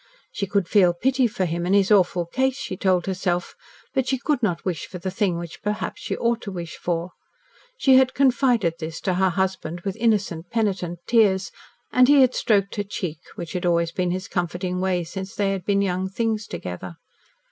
She could feel pity for him in his awful case, she told herself, but she could not wish for the thing which perhaps she ought to wish for. She had confided this to her husband with innocent, penitent tears, and he had stroked her cheek, which had always been his comforting way since they had been young things together.